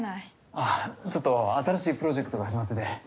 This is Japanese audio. あぁちょっと新しいプロジェクトが始まってて。